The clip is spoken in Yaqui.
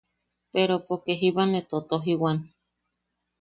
Pero poke jiba ne totojiwan.